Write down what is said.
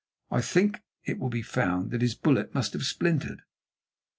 I think it will be found that his bullet must have splintered."